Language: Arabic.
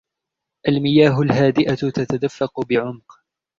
المياه الهادئة تتدفق بعمق